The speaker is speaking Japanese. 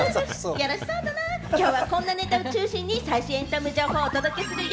きょうはこんなネタを中心に最新エンタメ情報をお届けするよ！